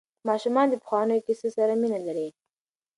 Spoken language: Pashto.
ماشومان د پخوانیو کیسو سره مینه لري.